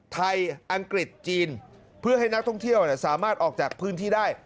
อังกฤษจีนเพื่อให้นักท่องเที่ยวสามารถออกจากพื้นที่ได้